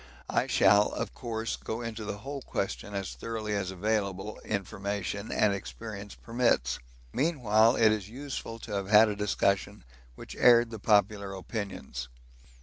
I shall, of course, go into the whole question as thoroughly as available information and experience permits. Meanwhile it is useful to have had a discussion which aired the popular opinions.